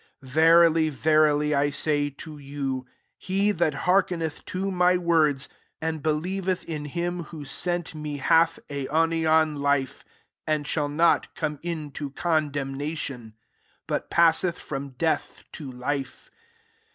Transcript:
24 " Verily, verily, I say to you. He that iH^rkeneth to my words, and believeth in him JOHN VI. ler wbo sent me, bath aioman life, and shall not come into con demnation; but passeth from death to life.